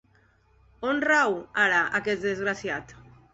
On rau, ara, aquest desgraciat?